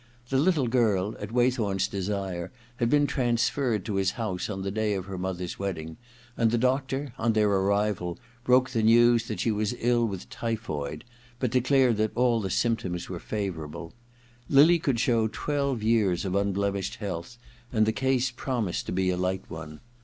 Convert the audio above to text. The little girl, at Waythorn*s desire, had been trans ferred to his house on the day of her mother's wedding, and the doctor, on their arrival, broke the news that she was ill with typhoid, but declared that all the symptoms were favourable, lily could show twelve years of unblemished 41 42 THE OTHER TWO i healthy and the case promised to be a light one.